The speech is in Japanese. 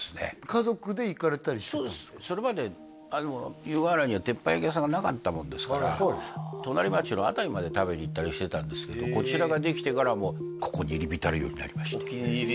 家族で行かれたりそうですそれまで湯河原には鉄板焼き屋さんがなかったもんですから隣町の辺りまで食べに行ったりしてたんですけどこちらができてからもうここに入り浸るようになりました